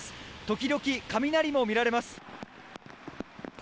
時々雷も見られます。